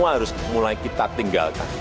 semua harus mulai kita tinggalkan